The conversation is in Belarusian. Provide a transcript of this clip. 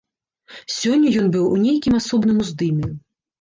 Сёння ён быў у нейкім асобным уздыме.